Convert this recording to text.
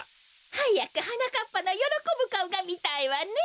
はやくはなかっぱのよろこぶかおがみたいわね。